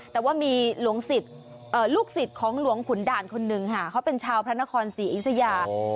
แต่ว่ามีลูกศิษย์ของหลวงขุนด่านคนหนึ่งค่ะเขาเป็นชาวพระนครศรีอยุธยา